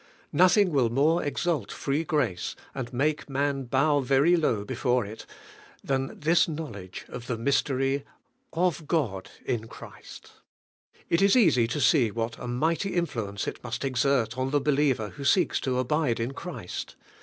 Nothing will more exalt 54 ABIDE IN CHRIST: free grace, and make man bow very low before it, than this knowledge of the mystery *0f God in Christ.' It is easy to see what a mighty influence it must exert on the believer who seeks to abide in Christ.